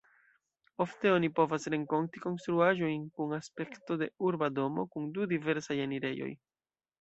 Ofte oni povas renkonti konstruaĵojn kun aspekto de urba domo, kun du diversaj enirejoj.